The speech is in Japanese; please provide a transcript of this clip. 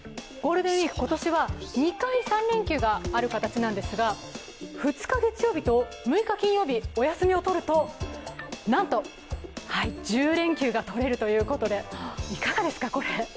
今年は２回３連休がある形なんですが、２日月曜日と６日金曜日にお休みを取るとなんと１０連休が取れるということで、いかがでしょうか？